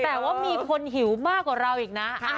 แต่ว่ามีคนหิวมากกว่าเราอีกนะ